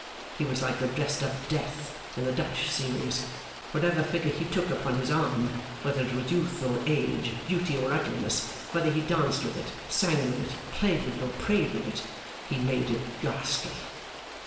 He was like the dressed up Death in the Dutch series; whatever figure he took upon his arm, whether it was youth or age, beauty or ugliness, whether he danced with it, sang with it, played with it, or prayed with it, he made it ghastly.